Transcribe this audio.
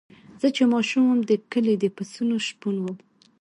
زه چې ماشوم وم د کلي د پسونو شپون وم.